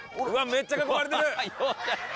めっちゃ囲まれているハハハ